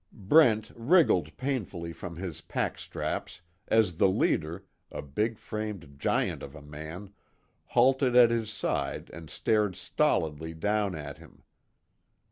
Brent wriggled painfully from his pack straps as the leader, a bigframed giant of a man, halted at his side and stared stolidly down at him.